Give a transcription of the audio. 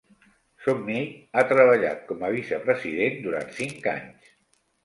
Summey ha treballat com a vicepresident durant cinc anys.